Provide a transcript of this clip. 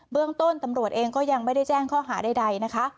เรื่องต้นตำรวจเองก็ยังไม่ได้แจ้งข้อหาใดนะคะ